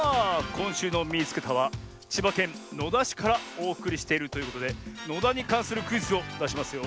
こんしゅうの「みいつけた！」はちばけんのだしからおおくりしているということでのだにかんするクイズをだしますよ。